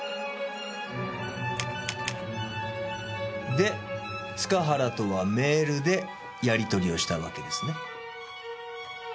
で塚原とはメールでやり取りをしたわけですね？